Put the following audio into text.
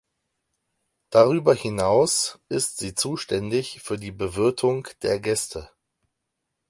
Darüber hinaus ist sie zuständig für die Bewirtung der Gäste.